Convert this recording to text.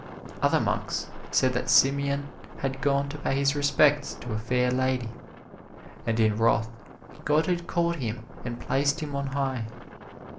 Other monks said that Simeon had gone to pay his respects to a fair lady, and in wrath God had caught him and placed him on high.